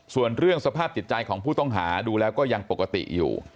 ส่วนเรื่องสภาพจิตใจของผู้ต้องหาดูแล้วก็ยังปกติอยู่